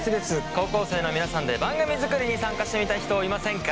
高校生の皆さんで番組作りに参加してみたい人いませんか？